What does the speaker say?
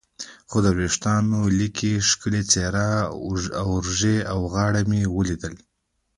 خو د وریښتانو لیکې، ښکلې څېره، اوږې او غاړه مې ولیدل.